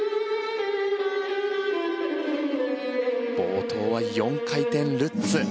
冒頭は４回転ルッツ。